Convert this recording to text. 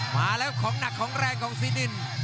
มาแล้วของหนักของแรงของซีดิน